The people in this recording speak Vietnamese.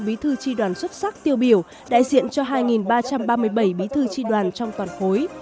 bí thư tri đoàn xuất sắc tiêu biểu đại diện cho hai ba trăm ba mươi bảy bí thư tri đoàn trong toàn khối